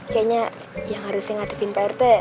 kayaknya yang harus ngadepin pak rt